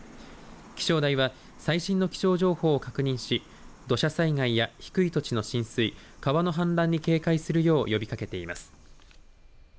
気象台は最新の気象情報を確認し土砂災害や低い土地の浸水川の氾濫に警戒するよう呼びかけています。